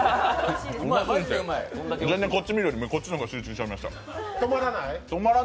うますぎて、こっち見るよりこっちに集中しちゃいました。